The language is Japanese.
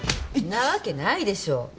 んなわけないでしょ。